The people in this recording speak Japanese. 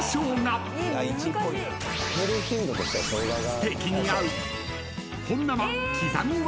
［ステーキに合う］